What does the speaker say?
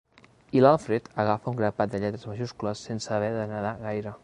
I l'Alfred agafa un grapat de lletres majúscules sense haver de nedar gaire.